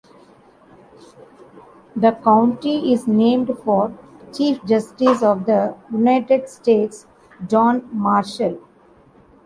The county is named for Chief Justice of the United States John Marshall.